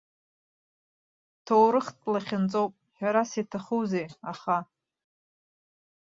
Ҭоурыхтә лахьынҵоуп, ҳәарас иаҭахузеи, аха.